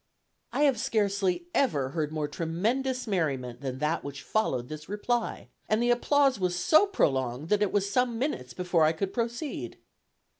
I have scarcely ever heard more tremendous merriment than that which followed this reply, and the applause was so prolonged that it was some minutes before I could proceed.